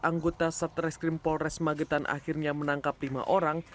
anggota satreskrim polres magetan akhirnya menangkap lima orang